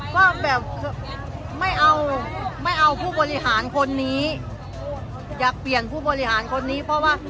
ก็แบบไม่เอาไม่เอาผู้บริหารคนนี้อยากเปลี่ยนผู้บริหารคนนี้เพราะว่า